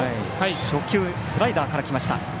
初球スライダーからきました。